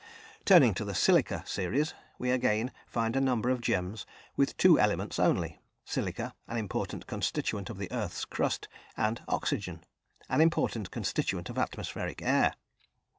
Turning to the silica series, we again find a number of gems with two elements only, silica an important constituent of the earth's crust and oxygen an important constituent of atmospheric air.